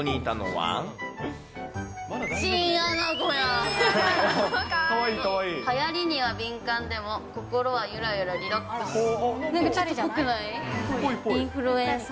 はやりには敏感でも、心はゆらゆらリラックス。